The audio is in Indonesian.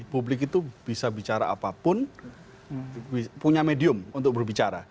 publik itu bisa bicara apapun punya medium untuk berbicara